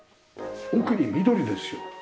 奥に緑ですよ。